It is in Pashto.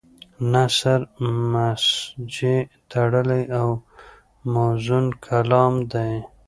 نثر مسجع تړلی او موزون کلام دی.